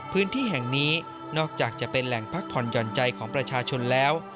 พื้นที่แห่งนี้นอกจากจะเป็นแหล่งพักผ่อนหย่อนใจของประชาชนแล้ว